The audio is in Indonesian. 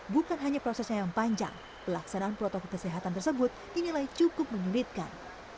bukan hanya prosesnya yang panjang pelaksanaan protokol kesehatan tersebut dinilai cukup menyulitkan